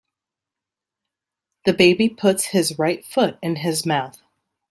The baby puts his right foot in his mouth.